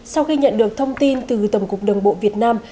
sau khi nhận được thông tin từ tổng cục đồng bộ việt nam